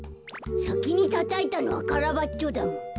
さきにたたいたのはカラバッチョだもん。